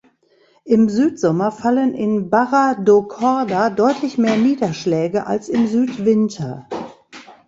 Im Südsommer fallen in Barra do Corda deutlich mehr Niederschläge als im Südwinter.